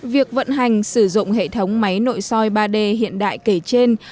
việc vận hành sử dụng hệ thống máy nội soi ba d hiện đại kể trên